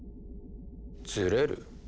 ずれる？